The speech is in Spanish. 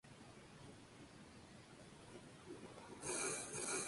El concierto único recibió el nombre de Bandada.